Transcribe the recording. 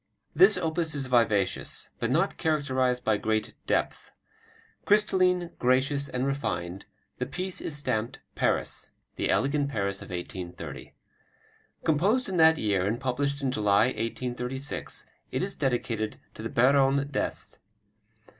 This opus is vivacious, but not characterized by great depth. Crystalline, gracious, and refined, the piece is stamped "Paris," the elegant Paris of 1830. Composed in that year and published in July, 1836, it is dedicated to the Baronne D'Est.